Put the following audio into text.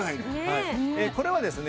これはですね